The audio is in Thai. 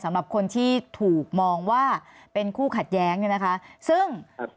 สำหรับคนที่ถูกมองว่าเป็นคู่ขัดแย้งเนี่ยนะคะซึ่งครับ